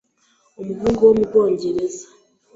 Umuhungu wo mu Bwongereza